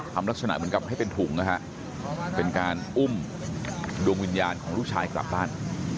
ลักษณะเหมือนกับให้เป็นถุงนะฮะเป็นการอุ้มดวงวิญญาณของลูกชายกลับบ้าน